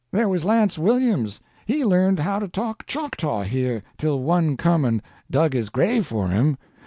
There was Lance Williams, he learned how to talk Choctaw here till one come and dug his grave for him.